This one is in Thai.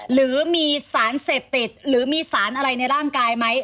หรือมีสารเสพติดหรือมีสารอะไรในร่างกายไหม